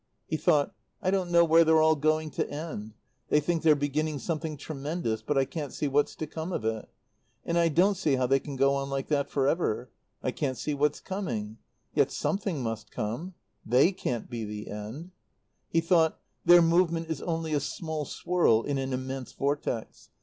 He thought: "I don't know where they're all going to end. They think they're beginning something tremendous; but I can't see what's to come of it. And I don't see how they can go on like that for ever. I can't see what's coming. Yet something must come. They can't be the end." He thought: "Their movement is only a small swirl in an immense Vortex.